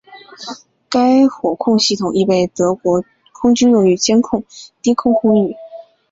该火控系统亦被德国空军用于监控低空空域。